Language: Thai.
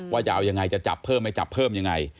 ว่าจะเอายังไงหรือยังไงจะจับเพิ่ม